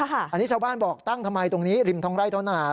อันนี้ชาวบ้านบอกตั้งทำไมตรงนี้ริมท้องไร่ท้องนา